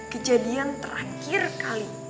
kejadian terakhir kali